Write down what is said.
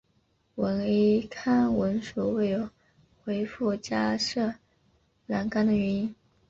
唯康文署未有回覆加设栏杆的原因。